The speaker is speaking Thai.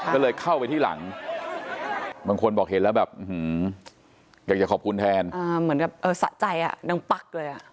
ก็เลยเข้าไปที่หลังบางคนบอกเห็นแล้วแบบอยากจะขอบคุณแทนเหมือนกับเออสะใจอ่ะนางปั๊กเลยอ่ะ